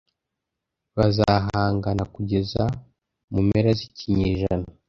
Bazahangana kugeza mu mpera z'ikinyejana